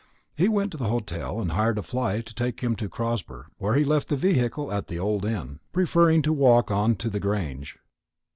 He went to the hotel, and hired a fly to take him to Crosber, where he left the vehicle at the old inn, preferring to walk on to the Grange.